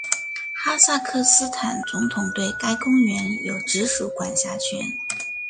哈萨克斯坦总统对该公园有直属管辖权。